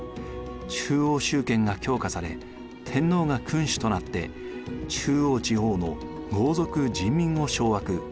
中央集権が強化され天皇が君主となって中央地方の豪族人民を掌握。